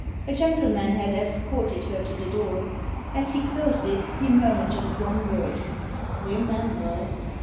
A gentle man had escorted her to the door. As he closed it he murmured just one word — "Remember!"